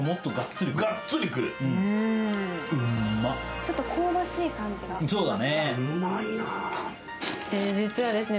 ちょっと香ばしい感じがしますか。